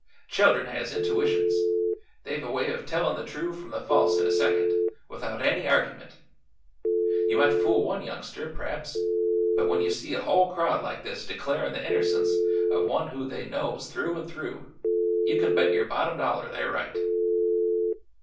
"Children has intuitions; they've a way of tellin' the true from the false in a second, without any argyment. You might fool one youngster, p'raps, but when you see a whole crowd like this declarin' the innercence of one who they knows through an' through, you can bet your bottom dollar they're right!"